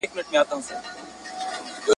میرویس نیکه د تدبیر او عقل خاوند انسان و.